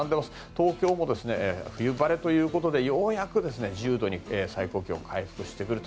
東京も冬晴れということでようやく最高気温が１０度に回復してくると。